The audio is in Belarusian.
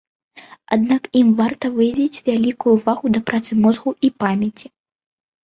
Аднак ім варта выявіць вялікую ўвагу да працы мозгу і памяці.